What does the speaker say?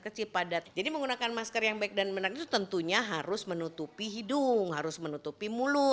kecil padat jadi menggunakan masker yang baik dan benar itu tentunya harus menutupi hidung harus menutupi mulut